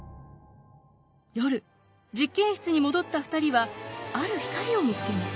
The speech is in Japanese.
夜実験室に戻った２人はある光を見つけます。